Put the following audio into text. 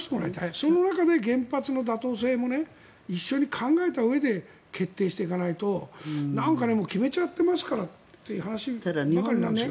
その中で原発の妥当性も一緒に考えたうえで決定していかないと決めちゃってますからっていう話ばかりなんですよ。